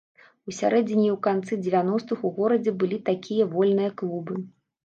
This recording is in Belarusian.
У сярэдзіне і ў канцы дзевяностых у горадзе былі такія вольныя клубы.